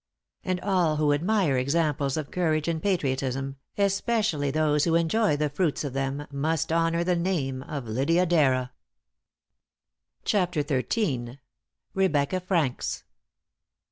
And all who admire examples of courage and patriotism, especially those who enjoy the fruits of them, must honor the name of Lydia Darrah. XIII. REBECCA FRANKS.